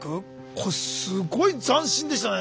これすごい斬新でしたね。